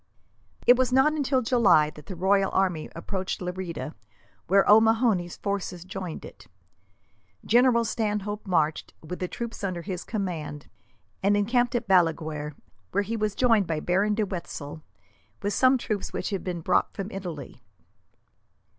It was not until July that the royal army approached Lerida, where O'Mahony's force joined it. General Stanhope marched, with the troops under his command, and encamped at Balaguer; where he was joined by Baron de Wetzel, with some troops which had been brought from Italy.